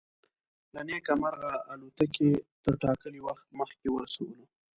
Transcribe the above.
له نیکه مرغه الوتکې تر ټاکلي وخت مخکې ورسولو.